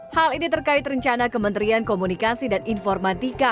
hal ini terkait rencana kementerian komunikasi dan informatika